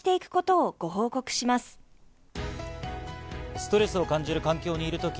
ストレスを感じる環境にいるとき